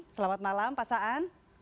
selamat malam pak saan